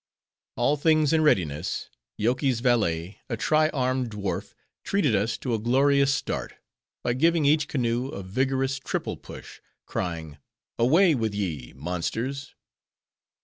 All things in readiness, Yoky's valet, a tri armed dwarf, treated us to a glorious start, by giving each canoe a vigorous triple push, crying, "away with ye, monsters!"